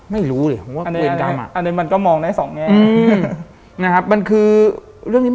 ไม่รู้เลยผมว่าเวรกรรม